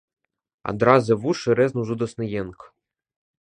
Адразу вушы рэзнуў жудасны енк.